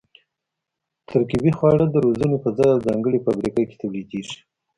ترکیبي خواړه د روزنې په ځای او ځانګړې فابریکه کې تولیدېږي.